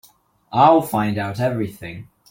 I'll find out everything.